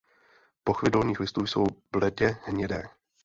Pochvy dolních listů jsou bledě hnědé.